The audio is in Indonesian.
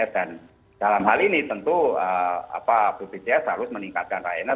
dan dalam hal ini tentu bpjs harus meningkatkan layanan